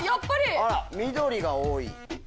あら緑が多い。